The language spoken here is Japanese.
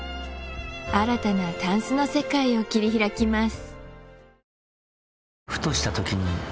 新たな箪笥の世界を切り開きます